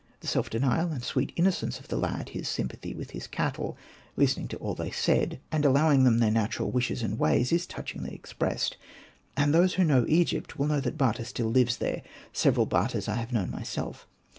The self denial and sweet innocence of the lad, his sympathy with his cattle, ''listening to all that they said," and allowing them their natural wishes and ways, is touchingly ex pressed. And those who know Egypt will know that Bata still lives there — several Batas I have known myself.